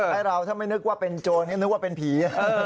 แล้วเราถ้าไม่นึกว่าเป็นโจรนี้นึกว่าเป็นผี